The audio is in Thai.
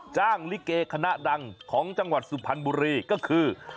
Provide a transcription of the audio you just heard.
จ้างลิเกย์ขนาดังของจังหวัดสุภัณฑ์บุรีก็คือ